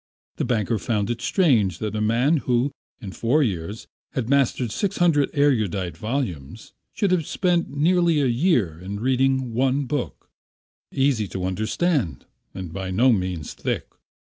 The banker found it strange that a man who in four years had mastered six hundred erudite volumes, should have spent nearly a year in reading one book, easy to understand and by no means thick.